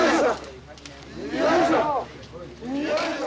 よいしょ！